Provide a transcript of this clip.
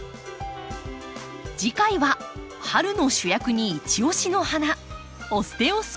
次回は春の主役にいち押しの花「オステオスペルマム」。